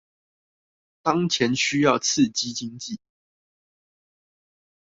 當前需要刺激經濟